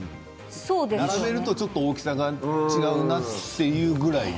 並べるとちょっと大きさが違うなっていうぐらいで。